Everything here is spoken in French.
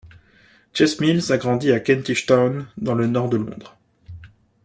Jess Mills a grandi à Kentish Town dans le nord de Londres.